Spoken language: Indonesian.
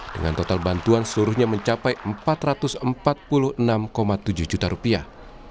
dengan total bantuan seluruhnya mencapai empat ratus empat puluh enam tujuh juta rupiah